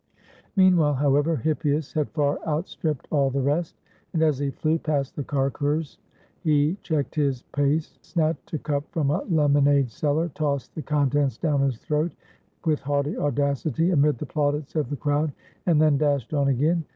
Meanwhile, however, Hippias had far outstripped all the rest, and as he flew past the carceres he checked his pace, snatched a cup from a lemonade seller, tossed the contents down his throat with haughty audacity amid the plaudits of the crowd, and then dashed on again.